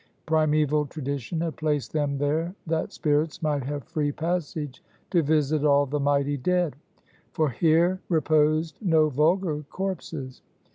Primeval tradition had placed them there that spirits might have free passage to visit all the mighty dead. For here reposed no vulgar corpses.